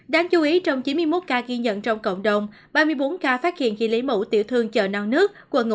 đáng chú ý trong chín mươi một ca ghi nhận trong cộng đồng ba mươi bốn ca phát hiện khi lý mẫu tiểu thương chợ non nước